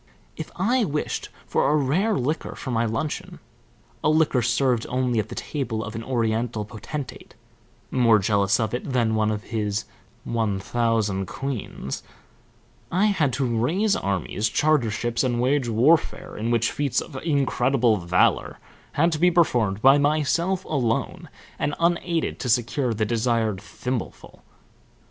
If I wished for a rare liqueur for my luncheon, a liqueur served only at the table of an Oriental potentate, more jealous of it than of his one thousand queens, I had to raise armies, charter ships, and wage warfare in which feats of incredible valor had to be performed by myself alone and unaided to secure the desired thimbleful.